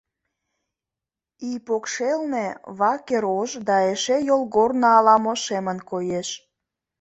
Ий покшелне ваке рож да эше йолгорно ала-мо шемын коеш.